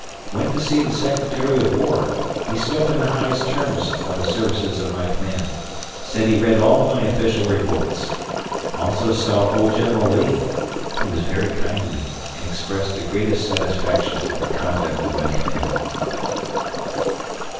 Went to see the Secretary of War, he spoke in the highest terms of the services of my command, said he read all my official reports. Also saw old General Lee, he was very kind to me and expressed the greatest satisfaction at the conduct of my command.